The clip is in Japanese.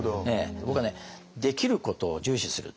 僕はねできることを重視する。